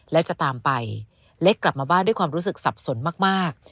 และจะตามไปเล็กกลับมาบ้านด้วยความรู้สึกสับสนมาก